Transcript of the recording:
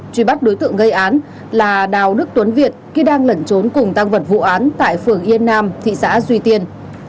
truy bắt đối tượng gây án là đào đức tuấn việt khi đang lẩn trốn cùng tăng vật vụ án tại phường yên nam thị xã duy tiên